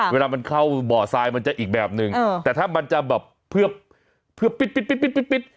เวลามันเข้าบ่อทรายมันจะอีกแบบนึงแต่ถ้ามันจะแบบเพื่อปิดปิด